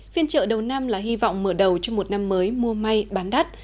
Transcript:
phiên chợ đầu năm là hy vọng mở đầu cho một năm mới mua may bán đắt